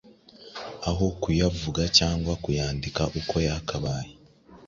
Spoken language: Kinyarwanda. aho kuyavuga cyangwa kuyandika uko yakabaye.